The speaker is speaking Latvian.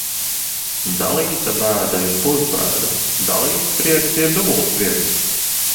Dalīta bēda ir pusbēda, dalīts prieks ir dubultprieks.